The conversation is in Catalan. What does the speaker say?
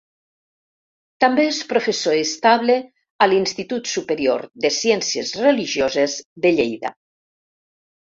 També és professor estable a l'Institut Superior de Ciències Religioses de Lleida.